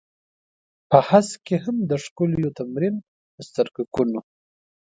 په هسک کې هم د ښکليو و تمرين د سترگکونو.